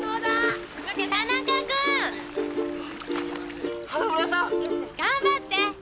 ・田中君！あっ花村さん！頑張って。